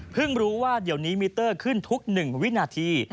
รู้ว่าเดี๋ยวนี้มิเตอร์ขึ้นทุก๑วินาที